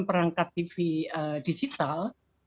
perangkat tv digital